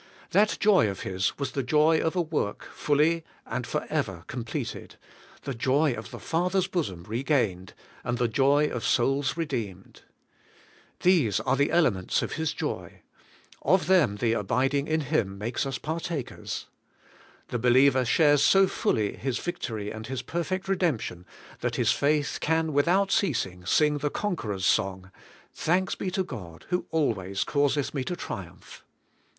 That joy of His was the joy of a work^ fully and for ever completed, the joy of the Father's bosom regained, and the joy of souls re deemed. These are the elements of His joy; of them THAT YOUR JOY MAY BE FULL. 187 the abiding in Him makes us partakers. The be liever shares so fully His victory and His perfect re demption that his faith can without ceasing sing the conqueror's song: ^Thanks be to God, who always causeth me to triumph.'